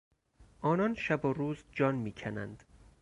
آنان شب و روز جان میکنند.